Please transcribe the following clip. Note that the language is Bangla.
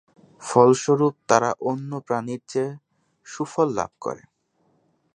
ফলস্বরূপ, তারা অন্য প্রাণীর চেয়ে সুফল লাভ করে।